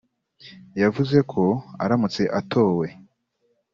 yavuze ko aramutse atowe